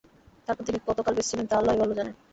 তারপর তিনি কতকাল বেঁচেছিলেন তা আল্লাহই ভালো জানেন।